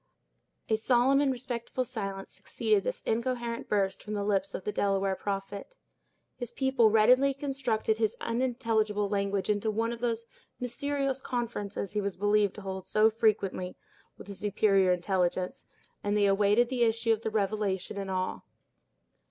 A solemn and respectful silence succeeded this incoherent burst from the lips of the Delaware prophet. His people readily constructed his unintelligible language into one of those mysterious conferences he was believed to hold so frequently with a superior intelligence and they awaited the issue of the revelation in awe.